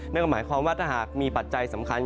นั่นก็หมายความว่าถ้าหากมีปัจจัยสำคัญ